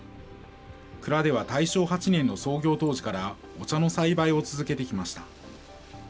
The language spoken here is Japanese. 蔵では大正８年の創業当時から、お茶の栽培を続けてきました。